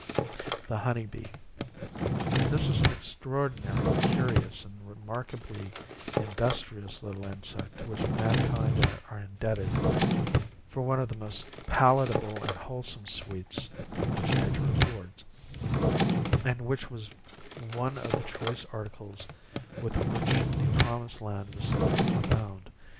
12 HONEY BEE. This is an extraordinary, curi ous, and remarkably industrious little insect to which mankind are indebted for one of the most palatable and wholesome sweets which nature affords ; and which was one of the choice ar ticles with which the promised land was said to abound.